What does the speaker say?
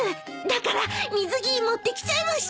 だから水着持ってきちゃいました。